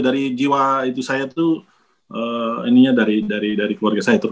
dari jiwa itu saya tuh ini ya dari keluarga saya